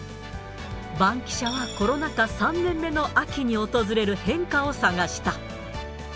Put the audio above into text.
バンキシャはコロナ禍３年目の秋に訪れる変化を探した。